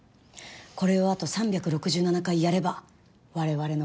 これをあと３６７回やれば我々の勝ちです。